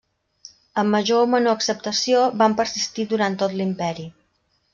Amb major o menor acceptació van persistir durant tot l'Imperi.